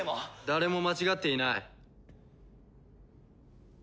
誰も間違っていない。